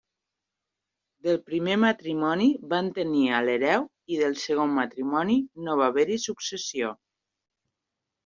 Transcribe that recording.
Del primer matrimoni van tenir a l'hereu, i del segon matrimoni no va haver-hi successió.